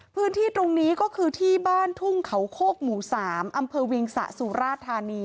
พื้นที่ตรงนี้ก็คือที่บ้านทุ่งเขาโคกหมู่๓อำเภอเวียงสะสุราธานี